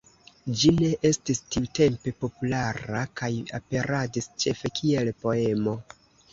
Ĝi ne estis tiutempe populara kaj aperadis ĉefe kiel poemo.